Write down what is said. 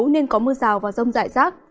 nên có mưa rào và rông dại rác